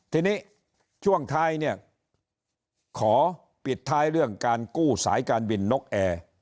ทีนี้ช่วงท้ายเนี่ยขอปิดท้ายเรื่องการกู้สายการบินนกแอร์